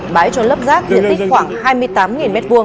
bãi trôn lấp rác diện tích khoảng hai mươi tám m hai